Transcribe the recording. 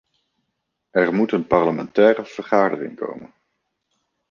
Er moet een parlementaire vergadering komen.